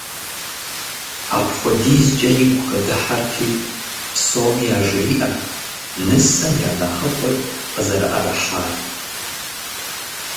АпхуэдизкӀэ игу къыдыхьэрти, псоми яжриӀэрт нысэм я нэхъыфӀыр къызэрыӀэрыхьар.